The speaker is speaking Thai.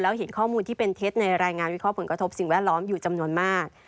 แล้วเห็นข้อมูลที่เป็นเท็จในรายงานวิเคราะห์ผลกระทบสิ่งแวดล้อมอยู่จำนวนมาก